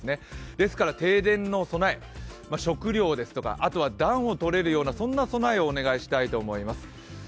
ですから停電への備え、食料、あとは暖を取れるようなそんな備えをお願いしたいと思います。